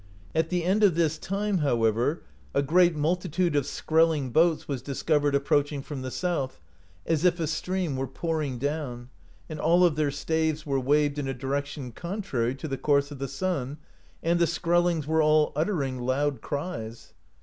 At the end of this time, however, a great multi tude of Skrelling boats was discovered approaching from the south, as if a stream were pouring down, and all of their staves were waved in a direction contrarj to the course of the sun, and the Skrellings were all uttering loud cries.